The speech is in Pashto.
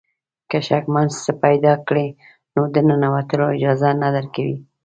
که شکمن څه پیدا کړي نو د ننوتلو اجازه نه درکوي.